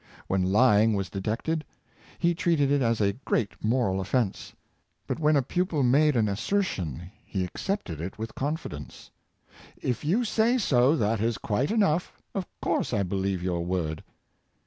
When lying was detected, he treated it as a great moral offense; but when a pupil made an assertion, he accepted it with confidence. ^' If you say so, that is quite enough; of course I believe your word."